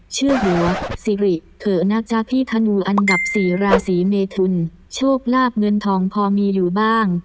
เชื่อหัวสิริเถอะนะจ๊ะพี่ธนูอันดับสี่ราศีเมทุนโชคลาบเงินทองพอมีอยู่บ้าง